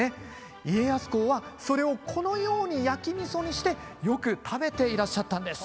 家康公はそれをこのように焼き味噌にしてよく食べていらっしゃったんです。